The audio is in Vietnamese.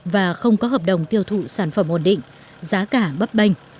và không có hợp đồng tiêu thụ sản phẩm ổn định giá cả bắp bệnh